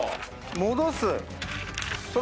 戻す。